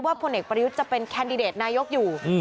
พลเอกประยุทธ์จะเป็นแคนดิเดตนายกอยู่